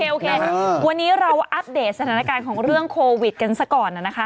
โอเควันนี้เราอัปเดตสถานการณ์ของเรื่องโควิดกันซะก่อนนะคะ